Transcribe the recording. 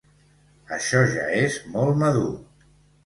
Això ja és molt madur